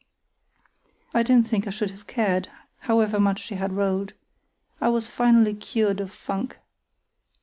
I don't think I should have cared, however much she had rolled. I was finally cured of funk.